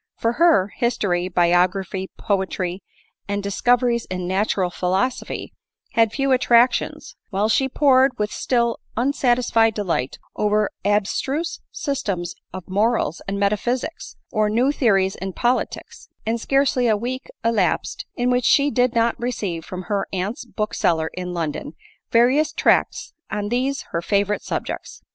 Fo$ her, history, biography, poetry, and discoveries in natural philosophy, had few attractions, while she pored with still unsatisfied delight over abstruse systems of mor als and metaphysics, or new theories in politics ; and scarcely a week elapsed in which she did not receive, from her aunt's bookseller in London, various tracts on these her favorite subjects.